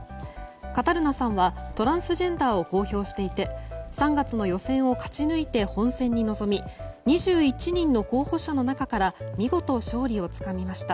カタルナさんはトランスジェンダーを公表していて３月の予選を勝ち抜いて本選に臨み２１人の候補者の中から見事勝利をつかみました。